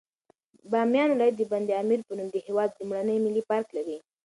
بامیان ولایت د بند امیر په نوم د هېواد لومړنی ملي پارک لري.